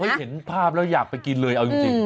เห็นภาพแล้วอยากไปกินเลยเอาจริง